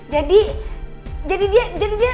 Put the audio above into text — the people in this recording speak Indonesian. jadi jadi dia jadi dia